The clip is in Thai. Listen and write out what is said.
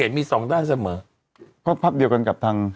เห็นมีสองด้านเสมอพหภะเดียวกันกับทาง